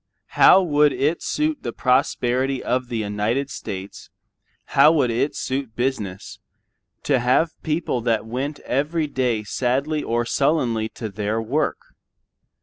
How would it suit the prosperity of the United States, how would it suit business, to have a people that went every day sadly or sullenly to their work?